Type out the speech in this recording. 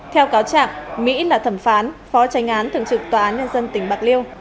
theo cáo trạng mỹ là thẩm phán phó tranh án thường trực tòa án nhân dân tỉnh bạc liêu